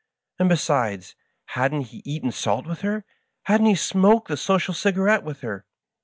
And, besides, hadn't he eaten salt with her? Hadn't he smoked the social cigarette with her